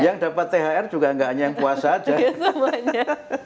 yang dapat thr juga tidak hanya yang puasa saja